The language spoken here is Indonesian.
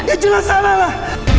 ya jelas salah lah